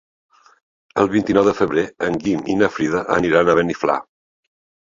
El vint-i-nou de febrer en Guim i na Frida aniran a Beniflà.